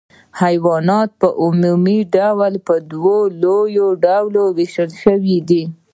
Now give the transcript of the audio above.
حیوانات په عمومي ډول په دوو لویو ډلو ویشل شوي دي